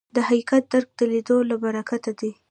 د حقیقت درک د لیدلو له برکته دی